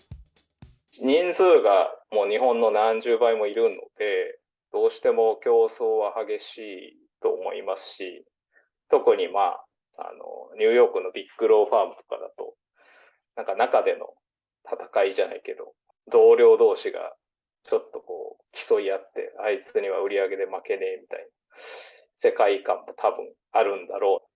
人数が日本の何十倍もいるので、どうしても競争は激しいと思いますし、特にニューヨークのビッグ・ロー・ファームとかだと、中での戦いじゃないけど、同僚どうしがちょっとこう、競い合って、あいつには売り上げで負けねえみたいな世界観もたぶん、あるんだろうと。